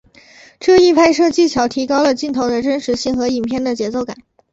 这一拍摄技巧提高了镜头的真实性和影片的节奏感。